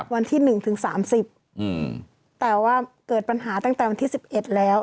วันที่๑ถึง๓๐แต่ว่าเกิดปัญหาตั้งแต่วันที่๑๑แล้ว